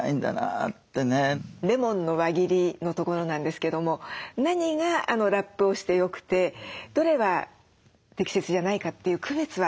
レモンの輪切りのところなんですけども何がラップをしてよくてどれは適切じゃないかっていう区別はどうしたらいいでしょう？